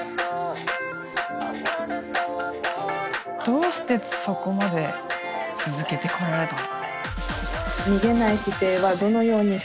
どうしてそこまで続けてこられた？